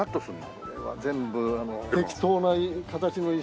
これは全部適当な形の石を全部これ。